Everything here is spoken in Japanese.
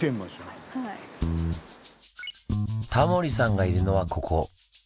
タモリさんがいるのはここ。